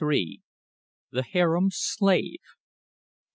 THE HAREM SLAVE.